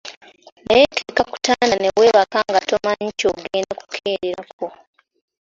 Naye ke kakutanda ne weebaka nga tomanyi ky'ogenda kukeererako.